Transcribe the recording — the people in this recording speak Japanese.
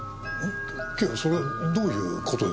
警部それはどういう事ですか？